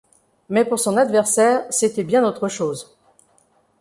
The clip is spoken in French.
Mais pour son adversaire c'était bien autre chose.